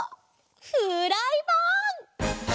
フライパン！